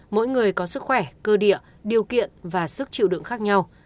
mỗi người có sức khỏe cơ địa điều kiện và sức chịu đựng khác nhau